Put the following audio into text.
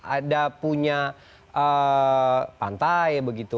ada punya pantai begitu